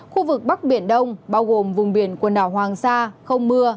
khu vực bắc biển đông bao gồm vùng biển quần đảo hoàng sa không mưa